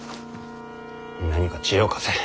何か知恵を貸せ。